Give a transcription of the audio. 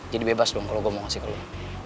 jadi bebas dong kalau gue mau kasih ke lo